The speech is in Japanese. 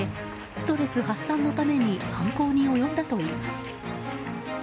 ストレス発散のために犯行に及んだといいます。